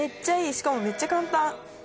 しかもめっちゃ簡単。